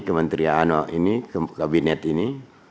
kementerian ini kabinet ini